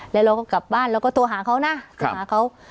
แล้วเราก็กลับบ้านเราก็โทรหาเขานะโทรหาเขา